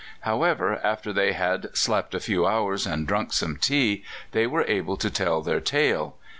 However, after they had slept a few hours and drunk some tea, they were able to tell their tale.